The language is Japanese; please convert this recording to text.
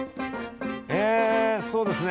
えそうですね